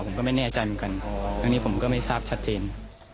ผมก็ไม่แน่ใจเหมือนกันทั้งนี้ผมก็ไม่ทราบชัดเจน